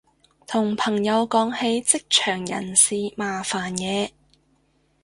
同朋友講起職場人事麻煩嘢